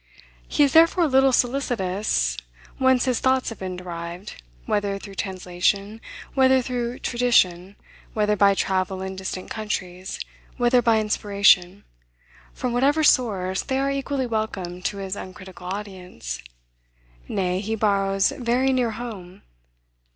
He is therefore little solicitous whence his thoughts have been derived; whether through translation, whether through tradition, whether by travel in distant countries, whether by inspiration; from whatever source, they are equally welcome to his uncritical audience. Nay, he borrows very near home.